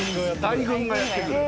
大群がやって来る。